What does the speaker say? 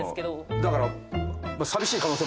だから。